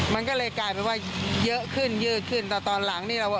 มันก็เลยกลายเป็นว่าเยอะขึ้นเยอะขึ้นแต่ตอนหลังนี่เราว่า